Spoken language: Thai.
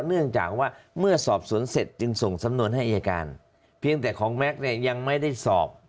เนื่องจากว่าเมื่อสอบสวนเสร็จจึงส่งสำนวนให้อายการเพียงแต่ของแม็กซ์เนี่ยยังไม่ได้สอบ